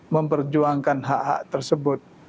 memperjuangkan hak hak tersebut